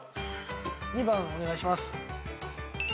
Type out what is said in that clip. ２番お願いします。